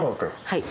はい。